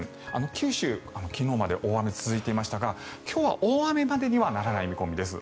九州、昨日まで大雨が続いていましたが今日は大雨までにはならない見込みです。